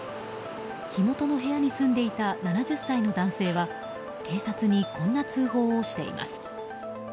火元の部屋に住んでいた７０歳の男性は警察にこんな通報をしています。